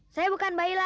saya bukan bayi lagi kek